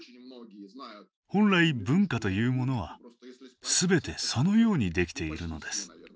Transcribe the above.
本来文化というものはすべてそのようにできているのです。